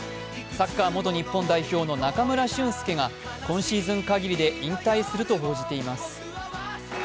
サッカー元日本代表の中村俊輔が今シーズン限りで引退すると報じています。